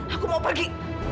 aku mau pergi